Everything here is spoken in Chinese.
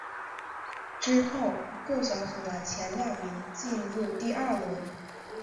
之后各小组的前两名进入第二轮。